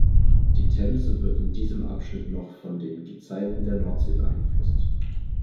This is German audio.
Die Themse wird in diesem Abschnitt noch von den Gezeiten der Nordsee beeinflusst.